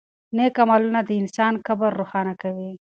نېک عملونه د انسان قبر روښانه کوي.